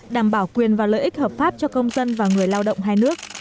đảm bảo quyền và lợi ích hợp pháp cho công dân và người lao động hai nước